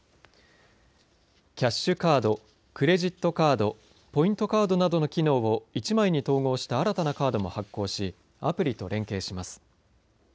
キャッシュカード、クレジットカード、ポイントカードなどの機能を１枚に統合した新たなカードも発行しアプリと連携します。